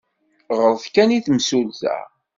Ɣret kan i temsulta.